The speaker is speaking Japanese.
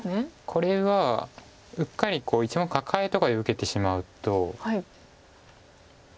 これはうっかり１目カカエとかで受けてしまうと。